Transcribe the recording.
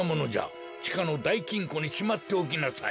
ちかのだいきんこにしまっておきなさい。